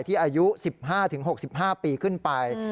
อายุ๑๕๖๕ปีขึ้นไป